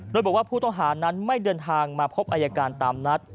โดยบอกว่าผู้ต้องหานั้นไม่เดินทางมาพบอายการตามนัด